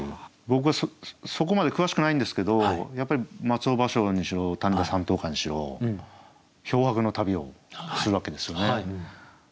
僕はそこまで詳しくないんですけどやっぱり松尾芭蕉にしろ種田山頭火にしろ漂泊の旅をするわけですよね。